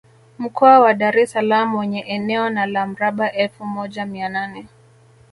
Mkoa wa Dar es Salaam wenye eneo na la mraba efu moja mia nane